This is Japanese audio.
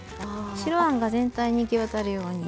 白あんが全体に行き渡るように。